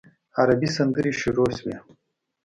عربي سندرې شروع شوې.